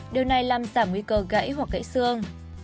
điều này làm giảm nguy cơ gãy hoặc gãy xương